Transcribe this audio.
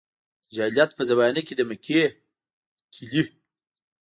د جاهلیت په زمانه کې د مکې کیلي.